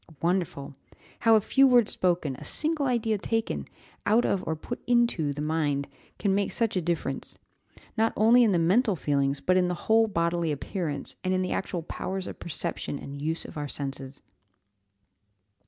Wonderful! how a few words spoken, a single idea taken, out of or put into the mind, can make such a difference, not only in the mental feelings, but in the whole bodily appearance, and in the actual powers of perception and use of our senses.